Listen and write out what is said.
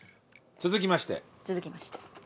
続きまして。